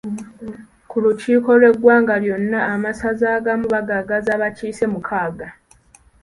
Ku lukiiko olw'eggwanga lyonna amasaza agamu bagagaza abakiise mukaaga.